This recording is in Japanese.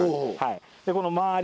この周り